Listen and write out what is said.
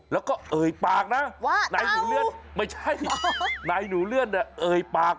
แล้วก็เอ่ยปากนะว่านายหนูเลื่อนไม่ใช่นายหนูเลื่อนเนี่ยเอ่ยปาก